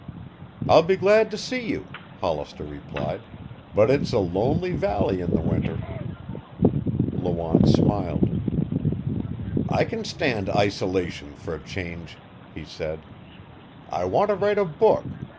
"I'll be glad to see you," Hollister replied, "but it's a lonely valley in the winter." Lawanne smiled. "I can stand isolation for a change," he said. "I want to write a book.